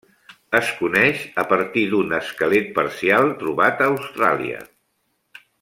Es coneix a partir d'un esquelet parcial trobat a Austràlia.